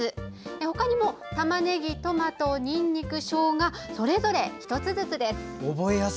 ほかにもたまねぎ、トマト、にんにくしょうがそれぞれ１つずつです。